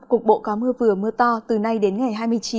cục bộ có mưa vừa mưa to từ nay đến ngày hai mươi chín